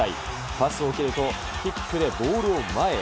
パスを受けると、キックでボールを前へ。